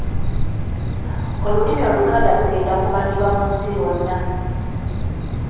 Olulimi Oluganda lugenda kumanyibwa mu nsi yonna.